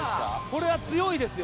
これは強いですよ。